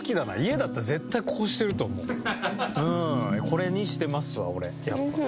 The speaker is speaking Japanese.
これにしてますわ俺やっぱ。